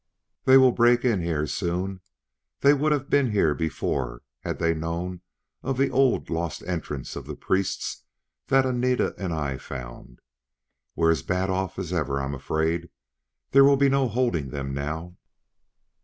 "They will break in here soon; they would have been here before had they known of the old lost entrance of the priests that Anita and I found. We're as bad off as ever, I am afraid. There will be no holding them now."